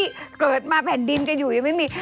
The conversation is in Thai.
เกิดมาแผ่นดินกันอยู่ยังไม่มี